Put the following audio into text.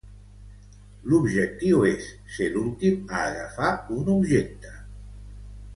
L'objectiu és ser l'últim a agafar un objecte.